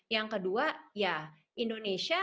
yang kedua ya indonesia